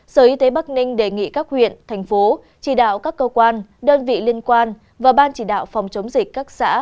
sở y tế bắc ninh đề nghị các huyện thành phố chỉ đạo các cơ quan đơn vị liên quan và ban chỉ đạo phòng chống dịch các xã